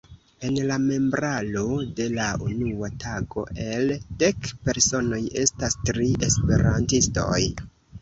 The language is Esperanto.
En la membraro de la unua tago el dek personoj estas tri esperantistoj.